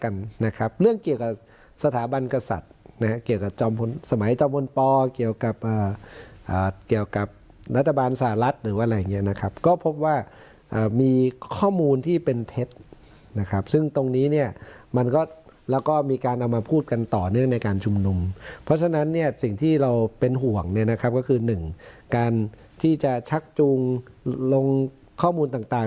กันนะครับเรื่องเกี่ยวกับสถาบันกษัตริย์นะฮะเกี่ยวกับจอมพลสมัยตำบลปเกี่ยวกับเกี่ยวกับรัฐบาลสหรัฐหรือว่าอะไรอย่างเงี้ยนะครับก็พบว่ามีข้อมูลที่เป็นเท็จนะครับซึ่งตรงนี้เนี่ยมันก็แล้วก็มีการเอามาพูดกันต่อเนื่องในการชุมนุมเพราะฉะนั้นเนี่ยสิ่งที่เราเป็นห่วงเนี่ยนะครับก็คือหนึ่งการที่จะชักจูงลงข้อมูลต่าง